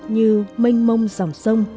như mênh mông dòng sông